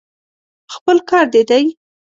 خپل کار دې دی.